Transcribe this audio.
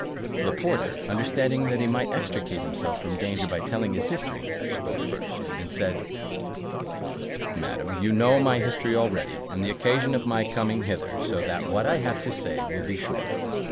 The porter, understanding that he might extricate himself from danger by telling his history, spoke first, and said, "Madam, you know my history already, and the occasion of my coming hither; so that what I have to say will be very short.